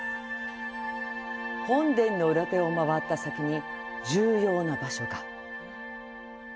本殿の裏手を回った先に重要な場所が。